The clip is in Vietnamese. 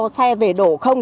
xe về đổ không